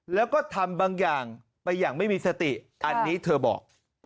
แล้วก็ทำบางอย่างไปอย่างไม่มีสติอันนี้เธอบอก